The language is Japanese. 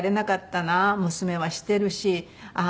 娘はしてるしあっ